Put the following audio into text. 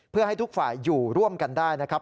เพื่อให้ทุกฝ่ายอยู่ร่วมกันได้นะครับ